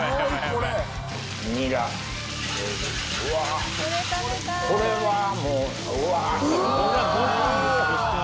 うわこれはもううわぁ！